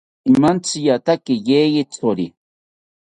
Imantsiataki yeyithori